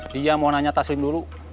dia mau nanya tasin dulu